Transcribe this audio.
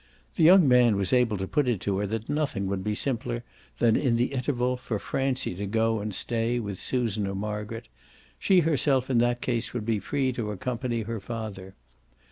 The young man was able to put it to her that nothing would be simpler than, in the interval, for Francie to go and stay with Susan or Margaret; she herself in that case would be free to accompany her father.